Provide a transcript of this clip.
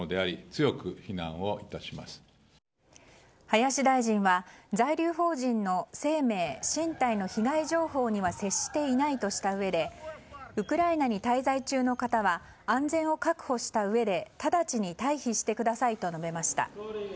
林大臣は在留邦人の生命・身体の被害情報には接していないとしたうえでウクライナに滞在中の方は安全を確保したうえでただちに退避してくださいと述べました。